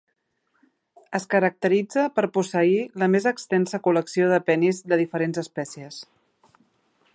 Es caracteritza per posseir la més extensa col·lecció de penis de diferents espècies.